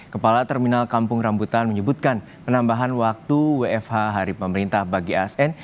kepala terminal kampung rambutan menyebutkan penambahan waktu wfh hari pemerintah bagi asn